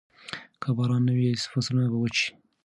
که باران نه وي، فصلونه به وچ شي.